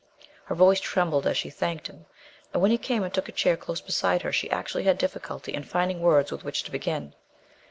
Her voice trembled as she thanked him, and when he came and took a chair close beside her she actually had difficulty in finding words with which to begin.